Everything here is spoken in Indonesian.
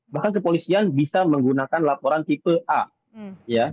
bahkan kepolisian bisa menggunakan laporan tipe a